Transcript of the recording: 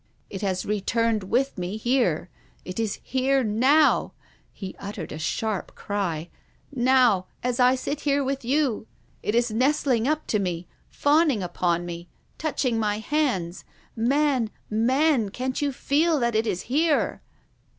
It has returned with me here. It is here now," — he uttered a sharp cry, —" now, as I sit here with you. It is nestling up to me, fawning upon me, touching my hands. Man, man, can't you feel that it is here?"